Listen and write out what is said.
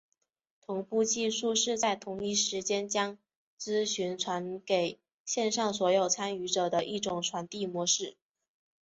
同步技术是在同一时间将资讯传送给线上所有参与者的一种传递模式。